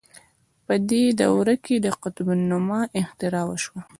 په دې دوره کې د قطب نماء اختراع وشوه.